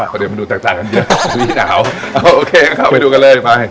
พอเดี๋ยวมาดูต่างต่างกันเยอะนี่หนาวเอาโอเคครับไปดูกันเลยไป